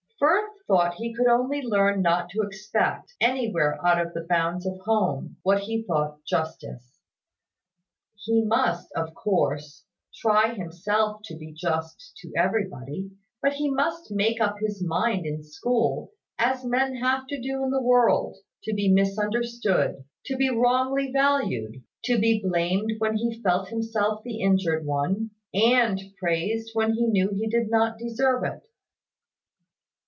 Firth thought he could only learn not to expect, anywhere out of the bounds of home, what he thought justice. He must, of course, try himself to be just to everybody; but he must make up his mind in school, as men have to do in the world, to be misunderstood to be wrongly valued; to be blamed when he felt himself the injured one; and praised when he knew he did not deserve it.